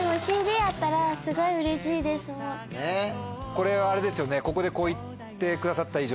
これはあれですよね？